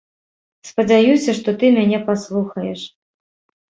Спадзяюся, што ты мяне паслухаеш.